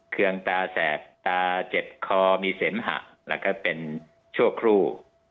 เครื่องตาแสบตาเจ็บคอมีเสมหะแล้วก็เป็นชั่วครู่